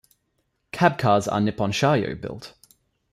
Cab cars are Nippon Sharyo built.